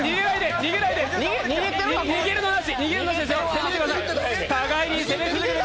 逃げるのなし。